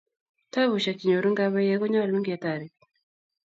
tabushek chenyorun kabaiek konyalun ketaret